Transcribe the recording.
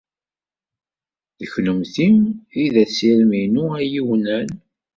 D kennemti ay d assirem-inu ayiwnan.